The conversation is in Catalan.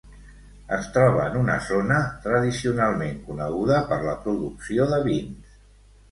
Es troba en una zona tradicionalment coneguda per la producció de vins.